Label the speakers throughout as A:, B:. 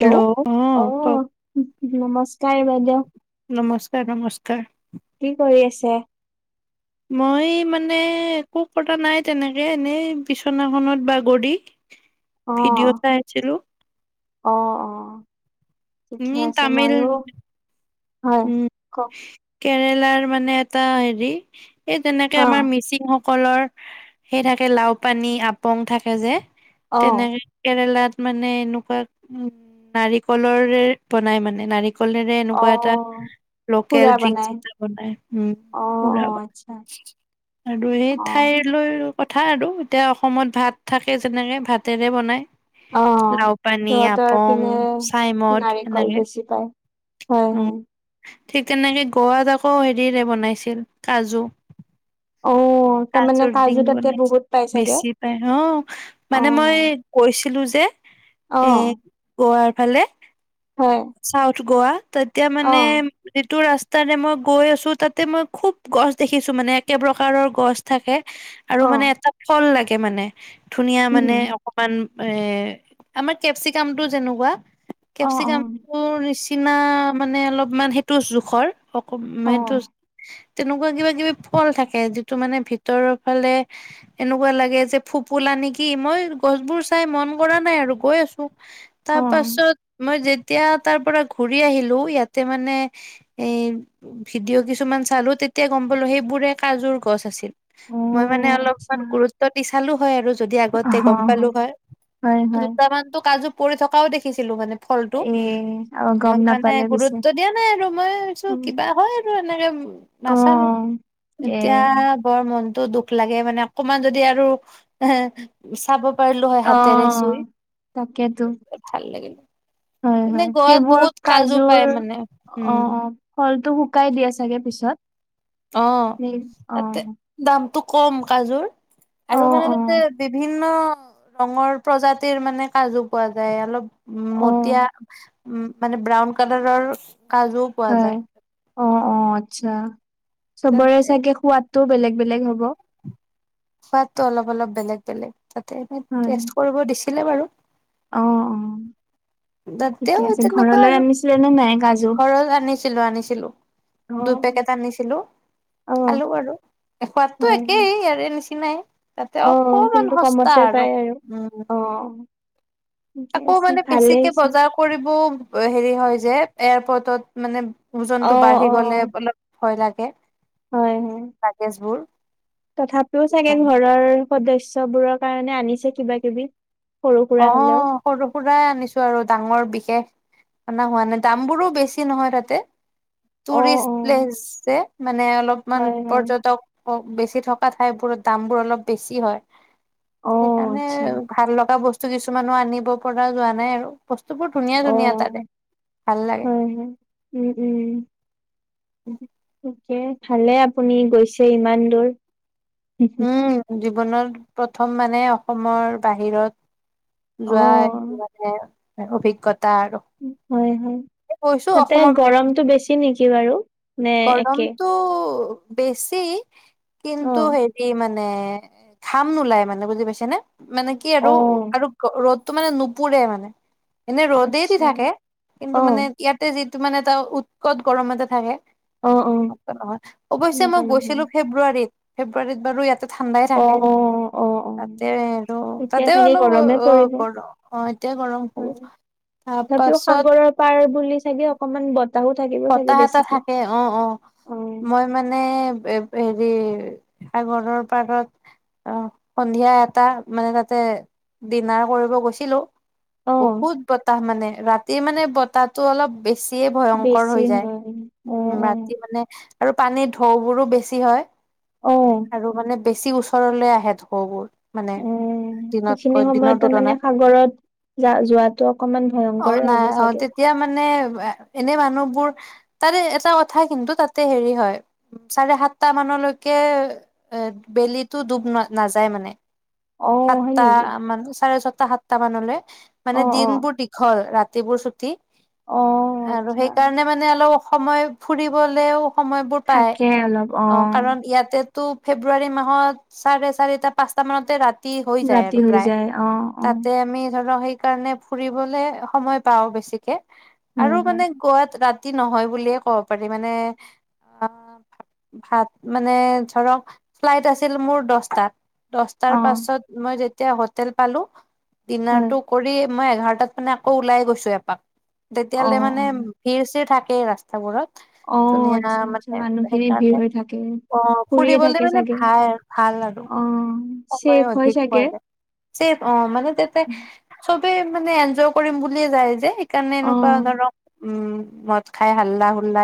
A: Hello অ' কওঁক!
B: নমস্কাৰ বাইদেউ
A: নমস্কাৰ। নমস্কাৰ।
B: কি কৰি আছে?
A: মই মানে একো কৰা নাই তেনেকে এনেই বিছনাখনত বাগৰি
B: অ
A: ভিডিঅ' চাই আছিলো।
B: অ', অ' ঠিকে
A: ই
B: আছে
A: তামিল
B: ময়ো হয়
A: উম,
B: কওঁক।
A: কেৰেলাৰ মানে এটা হেৰি এই তেনেকে
B: অ
A: আমাৰ মিচিং কলৰ সেই থাকে লাও পানী আপং থাকে যে
B: অ
A: তেনেকে কেৰেলাত মানে এনেকুৱা উম নাৰিকলৰে বনাই মানে নাৰিকলেৰে
B: অ
A: এনেকুৱা এটা লোকেল
B: খুৰা
A: ড্ৰিংকছ
B: বনাই
A: এটা বনাই। উম
B: অ অ
A: পুৰা
B: আচ্ছা
A: আৰু সেই
B: অ
A: ঠাইলৈ। কথা আৰু এতিয়া অসমত ভাত থাকে যেনেকে ভাতেৰে বনাই।
B: অ',
A: লাও পানী
B: সিহঁতৰ
A: আপং
B: পিনে
A: চাইমদ
B: নাৰিকল
A: এনেকে
B: বেছি পায়। হম,
A: উ
B: হম।
A: ঠিক তেনেকে গোৱাত আকৌ হেৰিৰে বনাইছিল কাজু।
B: অ'। অ', তাৰ মানে
A: কাজুৰ ডিং
B: কাজু তাতে
A: বনাইছিল
B: বহুত পাই চাগে,
A: বেছি পাই অ মানে মই
B: অ'।
A: গৈছিলো
B: আহ।
A: ভালো?
B: অ'।
A: গোৱা তাতে মানে যিটো ৰাস্তা তাৰে মই গৈ আছো তাতে মই খুব গছ দেখিছো মানে একে প্ৰকাৰৰ গছ থাকে। আৰু
B: অ
A: মানে এটা ফল লাগে মানে, ধুনীয়া
B: উম
A: মানে অকমান এ আমাৰ কেপচিকামটো যেনেকুৱা
B: অ
A: কেপচিকামটোৰ নিচি কিনা মানে অলপমান সেইটো জোখৰ অ'
B: অ অ
A: সেইটো তেনেকুৱা কিবা কিবি ফল থাকে যিটো মানে ভিতৰৰ ফালে এনেকুৱা লাগে যে ফোপোলা। নেকি মই গছবোৰ চাই মন কৰা নাই আৰু গৈ আছো। তাৰ
B: অ
A: পাছত মই যেতিয়া তাৰ পৰা ঘুৰি আহিলো ইয়াতে মানে এ ভিডিঅ' কিছুমান চালো। তেতিয়া গম পালো সেই [unintelligible] কাজুৰ গছ আছিল। মই মানে
B: অ' আচ্ছা
A: অলপমান গুৰুত্ব দি চালো হৈ আৰু যদি আগতে গম পালো
B: অ'
A: হয়
B: হয় হয়
A: দুটামানতো কাজু পৰি থকাও দেখিছিলো মানে। ফলটো
B: এ গম
A: মই মানে
B: নাপালে পিছে
A: গুৰুত্ব দিয়া নাই আৰু মই ভাবছো
B: উম,
A: কিবা হয় আৰু এনেকে।
B: অ'
A: নাচালো।
B: এ
A: এতিয়া বৰ মন। টো দুখ লাগে মানে অকমান যদি আৰু এ চাব। পাৰলো হয় হাতেৰে
B: অ'
A: চুই
B: তাকেতো
A: ভাল লাগিলো এনে গোৱাত
B: কুৰ
A: বহুত কাজু
B: কাজুৰ,
A: পায় মানে উম
B: অ' ফলটো শুকাই দিয়ে চাগে পিছত।
A: অ'
B: নে? অ'
A: তাতে দামটো কম কাজোৰ,
B: অ'
A: আৰু মানে তাতে
B: অ'
A: বিভি -ন্ন ৰঙৰ প্ৰজাতিৰ মানে কাজু পোৱা যায় অলপ উ
B: অ'
A: মতিয়া উম মানে ব্ৰাউন কালাৰৰ কাজুও পোৱা
B: হয়
A: যায়।
B: অ', অ', আচ্ছা চবৰে
A: তাতে
B: চাগে সোৱাদটো বেলেগ বেলেগ হ'ব।
A: সোৱাদটো অলপ অলপ বেলেগ বেলেগ তাতে
B: হয়
A: টেষ্ট কৰিব দিছিলে বাৰু।
B: অ', অ'। ঠিকে
A: তাতেও
B: আছে
A: তেনেকুৱা
B: ঘৰলৈ
A: আৰু,
B: আনিছিলে নে নাই কাজু
A: ঘৰত আনিছিলো আনিছিলো, দুই
B: অ'
A: পেকেট আনিছিলো
B: অ'
A: খালো আৰু, সোৱাদতো
B: হয় হয়
A: একেই ইয়াৰে নিচিনাই।
B: অ
A: তাতে অকমান
B: কিন্তু
A: সস্তা
B: কমতে
A: আৰু,
B: পায়
A: উম।
B: অ ঠিকে
A: আকৌ
B: আছে
A: মানে
B: ভালে
A: বেছিকে
B: হৈছে
A: বজাৰ কৰিবও হেৰি হয় যে, এয়াৰপৰ্টত মানে
B: অ
A: ওজনটো বাঢ়ি
B: অ
A: গলে অলপ ভয় লাগে,
B: হয় হয়
A: লাগেজ বোৰ।
B: তথাপিও চাগে
A: সেইকাৰণে
B: ঘৰৰ সদস্যবোৰৰ কাৰণে আনিছে কিবা কিবি? সৰু সুৰা হলেও
A: অ' সৰু সুৰা আনিছো আৰু ডাঙৰ বিশেষ অনা হোৱা নাই, দাম বোৰো বেছি নহয় তাতে,
B: অ
A: টুৰিষ্ট
B: অ
A: প্লেচ যে। মানে অলপমান
B: হয় হয়
A: পৰ্যটক বেচি থকা ঠাইবোৰত দাম বোৰ অলপ বেছি হয়।
B: অ
A: সেইকাৰণে
B: আচ্ছা
A: ভাল লগা বস্তু কিছুমানো আনিব পৰা যোৱা নাই আৰু। বস্তুবোৰ ধুনীয়া
B: অ
A: ধুনীয়া তাতে, ভাল লাগে।
B: হয় হয় উম উম
A: উম।
B: তাকে ভালে আপুনি গৈছে ইমান দূৰ।
A: উম জীৱনত প্ৰথম মানে অসমৰ বাহিৰত
B: অ
A: যোৱা মানে অভিজ্ঞতা আৰু
B: হয়-হয়।
A: কৈছো
B: তাতে
A: অসমৰ বাহিৰত
B: গৰমটো বেছি নেকি বাৰু? নে একে
A: গৰমটো বেছি,
B: অ
A: কিন্তু হেৰি মানে -নে ঘাম নোলাই মানে বুজি পাইছানে, মানে কি
B: অ
A: আৰু আৰু ৰ'দ টো মানে নুপুৰে মানে, এনে ৰ'দে দি
B: আচ্ছা
A: থাকে, কিন্তু
B: অ
A: মানে ইয়াতে যি -টো মানে এটা উৎকত গৰম এটা থাকে।
B: অ অ
A: ন নহয় অৱশ্যে
B: সেনেকুৱা
A: মই
B: নহয়।
A: গৈছিলো ফেব্ৰুৱাৰীত, ফেব্ৰুৱাৰীত বাৰু ইয়াতে ঠাণ্ডাই
B: অ
A: থাকে
B: অ অ
A: তাতে আৰু
B: তেতিয়া
A: তাতে
B: চাগে
A: অলপ
B: গৰমে পৰিব
A: গৰম অ', এতিয়া গৰম হ'ব।
B: হয়।
A: তাৰ
B: তথাপিও
A: পাছত
B: সাগৰৰ পাৰ বুলি চাগে অকমান বতা-
A: বতাহ এটা থাকে, অ'-অ',
B: অ
A: মই মানে এ হেৰি সাগৰৰ পাৰত। অ' সন্ধিয়া এটা, মানে তাতে ডিনাৰ কৰিব গৈছিলো।
B: অ
A: বহুত বতাহ মানে, ৰাতিৰ মানে বতাহটো অলপ বেছিয়ে ভয়ংকৰ।
B: বেছি
A: হৈ যায়,
B: হয় অ
A: উম
B: অ
A: ৰাতি মানে আৰু পানীৰ ঢৌ বোৰো বেছি হয়
B: অ
A: আৰু মানে। বেছি ওচৰলৈ আহে ঢৌবোৰ মানে,
B: অ সেইখিনি
A: দিনতকৈ
B: সময়ত
A: দিনৰ
B: তাৰমানে
A: তুলনাত।
B: সাগৰত যা যোৱাটো অকমান ভয়ংকৰে
A: অ' নাই
B: হ'ব
A: অ'
B: চাগে।
A: তেতিয়া মানে, এনে মানুহ বোৰ তাৰে এটা কথা কিন্তু, তাতে হেৰি হয় উ চাৰে সাতটা মানলৈকে এ বেলিতো ডুব ন নাযায় মানে।
B: অ হয়
A: সাতটা
B: নেকি?
A: মান চাৰে ছয়টা সাতটা মানলে
B: অ
A: মানে
B: অ
A: দিনবোৰ দীঘল ৰাতি [unintelligible] বোৰ চুটি।
B: অ' আচ্ছা।
A: মানে অলপ সময় ফুৰিবলেও সময়বোৰ পায়,
B: থাকে অলপ
A: অ' কাৰণ ইয়াতে ত' ফেব্ৰুৱাৰী মাহত চাৰে চাৰিটা পাঁচটা মানতে ৰাতি হৈ যায়
B: ৰাতি
A: আৰু
B: হৈ
A: প্ৰায়,
B: যায় অ অ
A: তাতে আমি [unintelligible] সেইকাৰণে ফুৰিবলে সময় পাওঁ বেছিকে, আৰু
B: হয় হয়।
A: মানে গৈ ৰাতি নহয় বুলিয়ে ক'ব পাৰি মানে অ ভাত মানে ধৰক ফ্লাইট আছিল মোৰ দহটাত দশটাৰ
B: অ
A: পাছত মই যেতিয়া হোটেল পালো
B: হয়
A: ডিনাৰটো কৰি মই এঘাৰটাত মানে আকৌ ওলাই গৈছো এপাক
B: অ
A: তেতিয়ালে মানে
B: অ
A: [unintelligible] থাকে ৰাস্তাবোৰত
B: অ
A: ধুনীয়া
B: আচ্ছা আচ্ছা
A: মানে
B: মানুহখিনি ভিৰ
A: সেইকাৰণে
B: হৈ থাকে
A: অ
B: ফুৰিয়ে
A: ফুৰিবলে
B: থাকে
A: মানে
B: চাগে
A: ভাই আৰু ভাল
B: অ
A: সময়
B: চেফ হয়
A: অধিক পোৱা
B: চাগে
A: যায় চে অ মানে তাতে চবে মানে এনজয় কৰিম বুলিয়ে যায় যে সেইকাৰণে
B: অ
A: এনেকুৱা ধৰক উম মদ খাই হাল্লা হুল্লা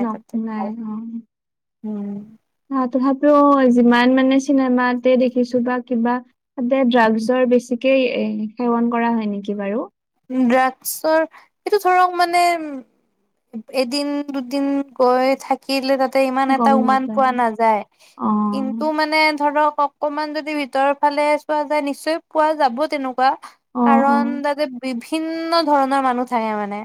B: ন
A: তাতে
B: নাই অ
A: উম
B: আ, তথাপিও যিমান মানে চিনেমাতে দেখিছো বা কিবা তাতে ড্ৰাগছৰ বেছি সেই এ সেৱন কৰা হয় নেকি বাৰু
A: ড্ৰাগছৰ এইটো ধৰক মানে এদিন দুদিন গৈ থাকিলে তাত ইমান এটা
B: গম
A: উমান
B: নাপায়
A: পোৱা নাযায়
B: অ
A: কিন্তু মানে ধৰক অকমান যদি ভিতৰৰ ফালে চোৱা যায় নিশ্চয় পোৱা যাব তেনেকুৱা
B: অ অ
A: কাৰণ তাতে বিভিন্ন ধৰণৰ মানুহ থাকে মানে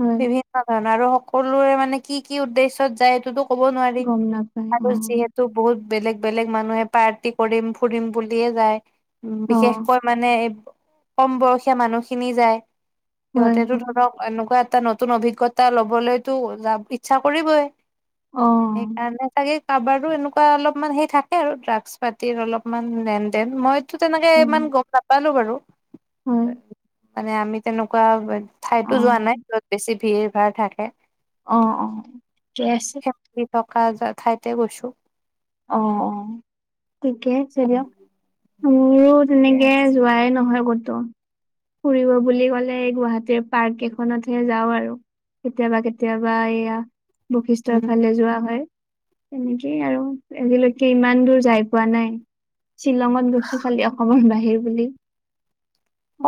B: হয়
A: বিভিন্ন ধৰণৰ আৰু সকলোৰে মানে কি কি উদেশ্যত যায় এইটোতো ক'ব নোৱাৰি
B: গম নাপায় অ
A: আৰু যিহেতু বহুত বেলেগ বেলেগ মানুহে পাৰ্টি কৰিম ফুৰিম বুলিয়ে যায়
B: অ
A: বিশেষকৈ মানে কম বয়সীয়া মানুহ খিনি যায়
B: হয়
A: সিহঁতেতো
B: হয়
A: ধৰক এনেকুৱা এটা নতুন অভিজ্ঞতা লবলৈতো য ইচ্ছা কৰিবই
B: অ
A: সেইকাৰণে চাগে কাবাৰোতো এনেকুৱা অলপমান সেই থাকে আৰু ড্ৰাগছ পাতিৰ অলপমান লেন দেন মই টো তেনেকে
B: হয়
A: ইমান গম নাপালো বাৰু
B: হয়
A: মানে আমি তেনেকুৱা ঠাইতো
B: অ
A: যোৱা নাই যত বেছি ভিৰ ভাৰ থাকে
B: অ অ ত আছে
A: ফেমিলি থকা হজাৰ ঠাইতে গৈছোঁ
B: অ অ থিকে আছে দিয়ক মোৰো
A: ঠিকে
B: তেনেকে
A: আছে।
B: যোৱাই নহয় ক'তো ফুৰিব বুলি ক'লে এই গুৱাহাটীৰ পাৰ্ক কেইখনতহে যাওঁ আৰু কেতিয়াবা কেতিয়াবা এইয়া বশিষ্ঠৰ
A: উম।
B: ফালে যোৱা হয় তেনেকেই আৰু আজিলৈকে ইমান দূৰ যাই পোৱা নাই শ্বিলঙত গৈছোঁ খালি অসমৰ বাহিৰ বুলি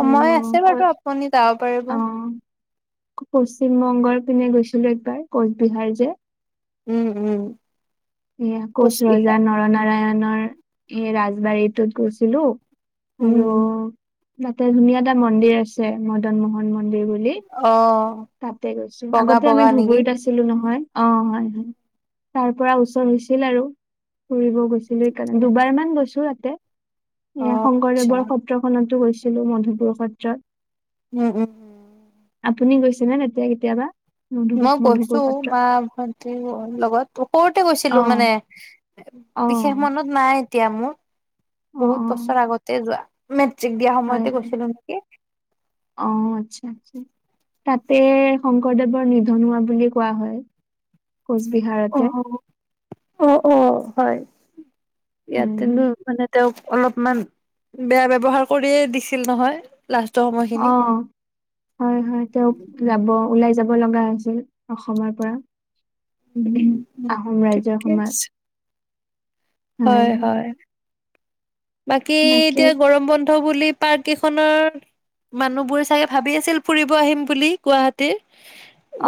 B: আৰু
A: আছে
B: ক
A: বাৰু আপুনি যাব পাৰিব
B: অ পশ্চিম বংগৰ পিনে গৈছিলোঁ একবাৰ কোচবিহাৰ যে
A: উম উম
B: এয়া কোচ ৰজা
A: কোচবিহাৰ।
B: নৰনাৰায়ণৰ এই ৰাজবাৰীটোত গৈছিলো
A: উম
B: আৰু এ ধুনীয়া এটা মন্দিৰ আছে মদন মোহন মন্দিৰ বুলি
A: অ
B: তাতে গৈছো
A: বগা
B: আগতে আমি
A: বগা নেকি?
B: ধুবুৰীত আছিলো নহয় অ হয় হয় তাৰ পৰা ওচৰ হৈছিল আৰু ফুৰিব গৈছিলো সেইকাৰণে দুবাৰমান গৈছো তাতে
A: অ
B: এ
A: আচ্ছা।
B: শংকৰদেৱৰ সত্ৰখনতো গৈছিলো মধুপুৰ সত্ৰত
A: উম উম উম উম
B: আপুনি গৈছেনে তেতিয়া কেতিয়াবা মধু
A: মই
B: মধুপুৰ
A: কৈছো
B: সত্ৰত
A: মা ভন্টিৰ লগত বহুত
B: অ
A: গৈছিলোঁ মানে
B: অ
A: বিশেষ মনত নাই এতিয়া মোৰ
B: অ অ
A: বহুত বছৰ আগতে যোৱা ম চেক দিয়া
B: হয়
A: সময়তে
B: হয়
A: গৈছিলোঁ নেকি
B: অ আচ্ছা আচ্ছা তাতে শংকৰদেৱৰ নিধন হোৱা বুলি কোৱা হয় কোচবিহাৰতে
A: অ', অ', অ' হয়। ইয়াত কিন্তু
B: হয়
A: মানে তেওঁক অলপমান বেয়া ব্যৱহাৰ কৰিয়ে দিছিল নহয়। লাষ্টৰ সময়খিনি।
B: অ' হয়- হয় তেওঁক যাব
A: উম
B: ওলাই যাব লগা ছিল অসমৰ পৰা
A: উম,
B: আহোম ৰাজ্যৰ
A: ঠিকে
B: সময়ত
A: আছে। হয় হয়। বাকী এতিয়া গৰম বন্ধ বুলি পাৰ্ক কেইখনৰ মানুহবোৰে চাগে ভাবি আছিল ফুৰিব আহিম বুলি গুৱাহাটী।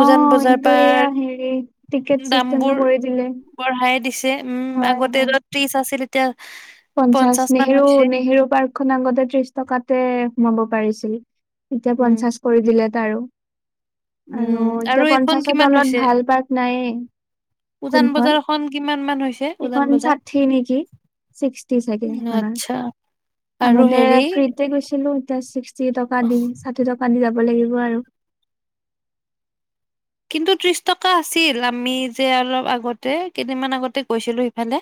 B: অ' এটো এয়া হেৰি টিকেট
A: দামবোৰ
B: চিষ্টেমটো কৰি দিলে।
A: বঢ়াই দিছে উম,
B: হয়
A: আগতে
B: হয়
A: ত্ৰিছ আছিল এতিয়া
B: পঞ্চাশ
A: মান
B: নেহেৰু
A: হৈছে
B: নেহেৰু পাৰ্কখন আগতে ত্ৰিশ টকাতে সোমাব পাৰিছিল। এতিয়া
A: উম,
B: পঞ্চাশ কৰি দিলে তাৰো।
A: উম,
B: আৰু এতিয়া
A: এইখন
B: পঞ্চাশৰ
A: কিমান
B: তলত
A: হৈছে?
B: ভাল পাৰ্ক নাইয়ে।
A: উজান বজাৰৰ খন কিমান। মান হৈছে উজান
B: এখন
A: বজাৰ?
B: ষাঠি নেকি, ছিক্সটি চাগে সেইখনৰ
A: আচ্ছা আৰু
B: আগতে
A: হেৰি
B: ফ্ৰীতে গৈছিলো এতিয়া ছিক্সটি টকা দি ষাঠি টকা দি যাব। লাগিব আৰু।
A: কিন্তু ত্ৰিশ টকা আছিল আমি যে অলপ আগতে কেইদিনমান আগতে গৈছিলো সিফালে।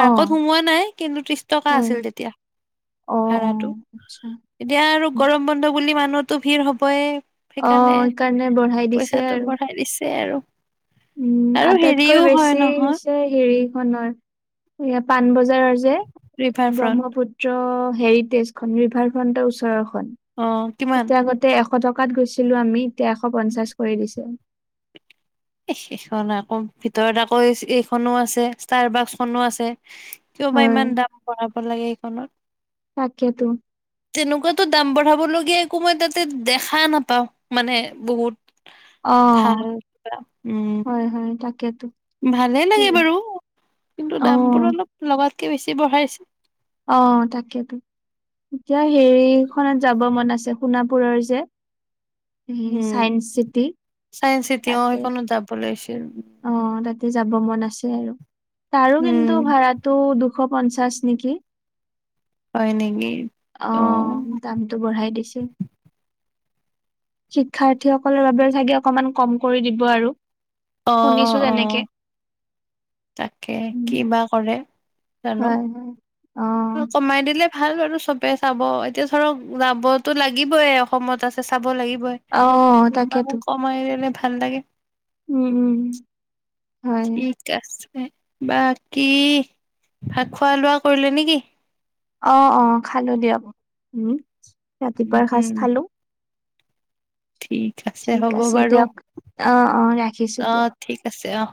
A: পাৰ্কত
B: অ'।
A: সোমোৱা নাই কিন্তু ত্ৰিশ টকা
B: হয়।
A: আছিল তেতিয়া।
B: অ',
A: ভাড়াটো
B: অ', আচ্ছা।
A: এতিয়া আৰু গৰম বন্ধ বুলি মানুহতো ভিৰ হ'বই।
B: অ', সেইকাৰণে বঢ়াই দিছে। আৰু।
A: বঢ়াই দিছে আৰু
B: উম
A: আৰু
B: আটাইতকৈ
A: হেৰিও হয়
B: বেছি
A: নহয়
B: হৈছে হেৰিখনৰ এয়া পাণবজাৰৰ যে
A: ৰিভাৰ ফ্ৰণ্ট
B: ব্ৰহ্মপুত্ৰ। হেৰিটেজখন ৰিভাৰ ফ্ৰণ্টৰ ওচৰৰ খন
A: অ কিমান
B: তাতে আগতে এ এশ টকাত গৈছিলোঁ আমি এতিয়া এশ পঞ্চাছ কৰি দিছে।
A: এহ সেইখন আকৌ ভিতৰত আকৌ এইখনো আছে ষ্টাৰ বাক্সখনো আছে কিয় বা
B: হয়,
A: ইমান দাম বঢ়াব লাগে এইখনত।
B: তাকেতো
A: তেনেকুৱাতো দাম বঢ়াবলগীয়া একো মই তাতে দেখা নাপাওঁ মানে বহুত।
B: অ',
A: [unintelligible] উম।
B: হয়, হয়, তাকেতো।
A: ভালেই
B: কি
A: লাগে বাৰু কিন্তু
B: অ',
A: দামবোৰ অলপ লগাতকে বেছি বঢ়াইছ
B: অ' তাকেইতো। এতিয়া হেৰিখনত যাব মন আছে সোণাপুৰৰ যে।
A: উম,
B: চায়েন্স চিটি
A: চাইন্স চিটি অ'
B: তাতে।
A: সেইখনত যাব লাগিছিল।
B: অ' তাতে যাব মন আছিলে আৰু তাৰো
A: উম,
B: কিন্তু ভাড়াতো দু শ পঞ্চাছ নেকি।
A: হয় নেকি?
B: অ', দামটো বঢ়াই দিছে। শিক্ষাৰ্থীসকলৰ বাবে চাগে অকমান কম কৰি দিব আৰু।
A: অ',
B: শুনিছো
A: অ',
B: তেনেকে
A: অ'। তাকে কি
B: উম
A: বা কৰে।
B: হয়- হয়।
A: লপ
B: অ
A: কমাই দিলে ভাল বাৰু চবে চাব এতিয়া ধৰক যাবতো লাগিবইে অসমত আছে। চাব লাগিবই
B: অ তাকেতো
A: অলপমান কমাই দিলে ভাল লাগে।
B: উম- উম হয়।
A: ঠিক আছে। বাকী ভাত খোৱা লোৱা কৰিলে নেকি।
B: অ'- অ' খালো দিয়ক, উম ৰাতিপুৱাৰ
A: উম,
B: সাজ খালো।
A: ঠিক আছে
B: ঠিক
A: হ'ব বাৰু।
B: দিয়ক অ অ ৰাখিছো দিয়ক
A: অ', ঠিক আছে অ'।